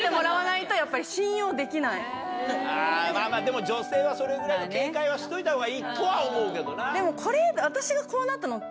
でも女性はそれぐらいの警戒はしといた方がいいとは思うけどな。